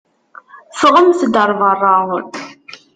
Ffɣemt-d ar beṛṛa!